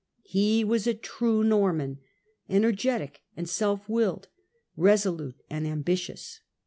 He was a true Norman, energetic and self willed, resolute and ambitious.